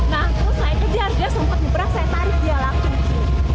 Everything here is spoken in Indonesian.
nah terus saya kejar dia sempat ngebrak saya tarik dia langsung ke sini